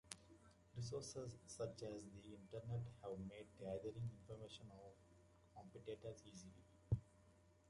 Resources, such as the Internet, have made gathering information on competitors easy.